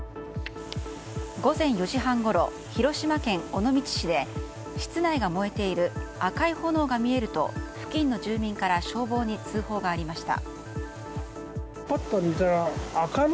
午前４時半ごろ広島県尾道市で室内が燃えている赤い炎が見えると付近の住民から消防に通報がありました。